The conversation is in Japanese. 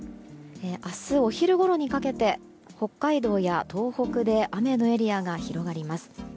明日お昼ごろにかけて北海道や東北で雨のエリアが広がります。